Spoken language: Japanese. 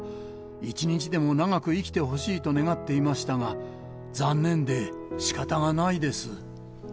一日でも長く生きてほしいと願っていましたが、残念でしかたがないです。